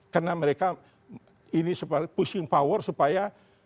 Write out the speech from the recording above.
karena mereka ini seperti pushing power supaya